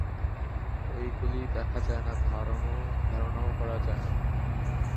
এইগুলি দেখা যায় না, ধারণাও করা যায় না।